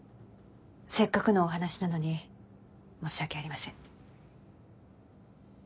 せっかくのお話なのに申し訳ありません。